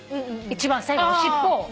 一番最後尻尾を。